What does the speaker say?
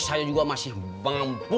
saya juga masih mampu